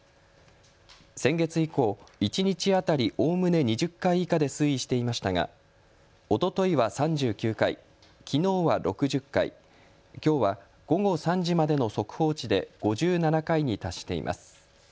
先月以降、一日当たりおおむね２０回以下で推移していましたがおとといは３９回、きのうは６０回、きょうは午後３時までの速報値で５７回に達しています。